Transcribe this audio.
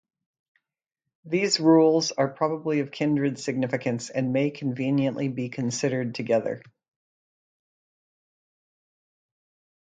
These rules are probably of kindred significance, and may conveniently be considered together.